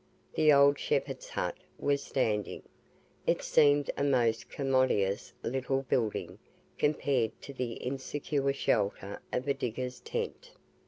The "Old Shepherd's Hut" was standing. It seemed a most commodious little building compared to the insecure shelter of' a digger's tent.